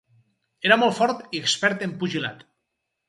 Era molt fort i expert en pugilat.